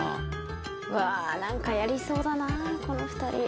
うわあなんかやりそうだなこの２人。